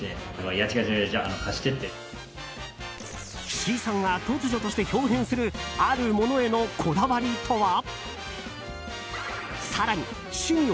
岸井さんが突如として豹変するあるものへのこだわりとは？